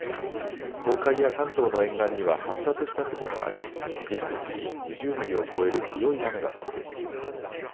東海や関東の沿岸には発達した雲があり１時間に２０ミリを超える強い雨が降っています。